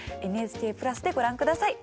「ＮＨＫプラス」でご覧下さい。